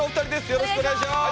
よろしくお願いします。